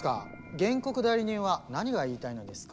原告代理人は何が言いたいのですか？